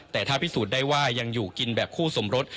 แต่ถ้าพิสูจน์ได้ว่ายังอยู่กินแบบคู่สมรส